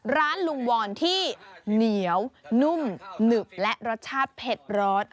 ร้านลุงวอนที่เหนียวนุ่มหนึบและรสชาติเผ็ดร้อน